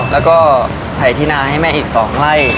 แล้วก็ถ่ายที่นาให้แม่อีกสองไล่